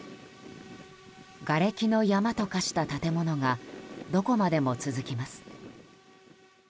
がれきの山と化した建物がどこまでも続きます。